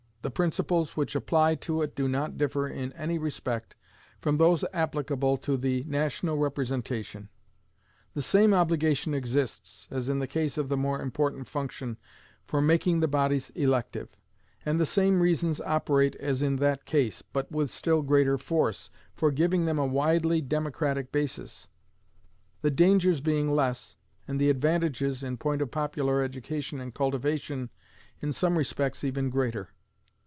The principles which apply to it do not differ in any respect from those applicable to the national representation. The same obligation exists, as in the case of the more important function, for making the bodies elective; and the same reasons operate as in that case, but with still greater force, for giving them a widely democratic basis; the dangers being less, and the advantages, in point of popular education and cultivation, in some respects even greater.